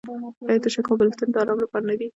آیا توشکې او بالښتونه د ارام لپاره نه دي؟